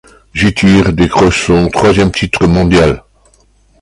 Jeter décroche son troisième titre mondial.